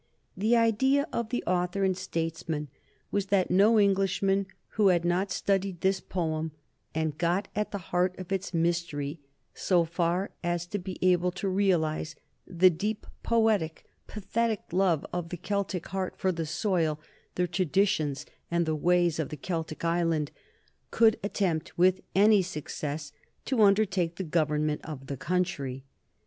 The idea of the author and statesman was that no Englishman who had not studied this poem, and got at the heart of its mystery, so far as to be able to realize the deep poetic, pathetic love of the Celtic heart for the soil, the traditions, and the ways of the Celtic island, could attempt with any success to undertake the government of the country.